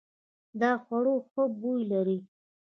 دا خوړو ښه بوی لري.